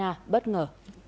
nga bất ngờ